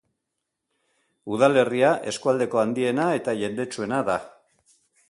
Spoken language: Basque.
Udalerria eskualdeko handiena eta jendetsuena da.